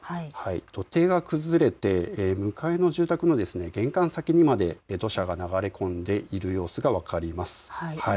土手が崩れて向かいの住宅の玄関先にまで土砂が流れ込んでいる様子が分かります。